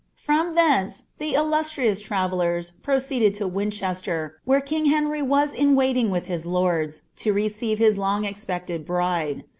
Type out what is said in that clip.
From ihwN the illustrious travellers proceeded to Winchester, where king Hmj was in waiting with his lords, lo receive his long expected bride.